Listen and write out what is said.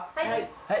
はい。